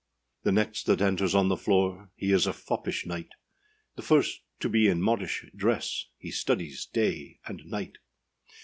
The next that enters on the floor, He is a foppish knight; The first to be in modish dress, He studies day and night.